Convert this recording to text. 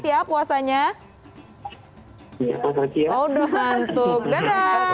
terima kasih mbak nisa mas iqbal